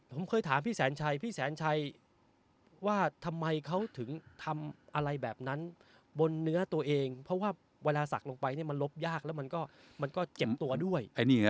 ผมเคยถามพี่แสนชัยพี่แสนชัยว่าทำไมเขาถึงทำอะไรแบบนั้นบนเนื้อตัวเองเพราะว่าเวลาศักดิ์ลงไปมันลบยากแล้วมันก็เจ็บตัวด้วย